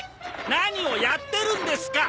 何をやってるんですか！